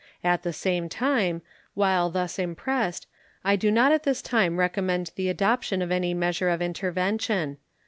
At the same time, while thus impressed I do not at this time recommend the adoption of any measure of intervention.